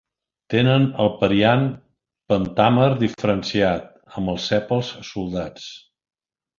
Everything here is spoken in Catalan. Tenen el periant pentàmer diferenciat, amb els sèpals soldats.